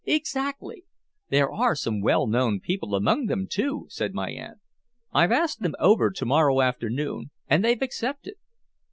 "Exactly. There are some well known people among them, too," said my aunt. "I've asked them over to morrow afternoon, and they've accepted."